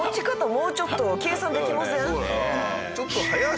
もうちょっと計算できません？